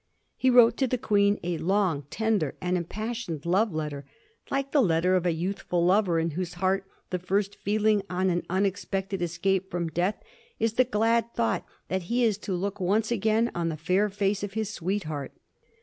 He wrote to the Queen a long, tender, and impassioned love letter — like the letter of a youthful lover in whose heart the first feeling on an unex pected escape from death is the glad thought that he is to look once again on the fair face of his sweetheart.